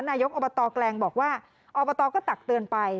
นายกอบตแกลงบอกว่าอบตก็ตักเตือนไป